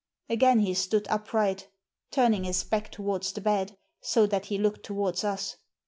Again he stood up right, turning his back towards the bed, so that he looked towards us.